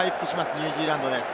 ニュージーランドです。